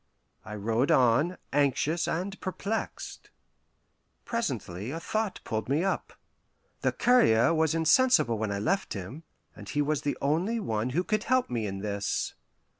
I rode on, anxious and perplexed. Presently a thought pulled me up. The courier was insensible when I left him, and he was the only one who could help me in this.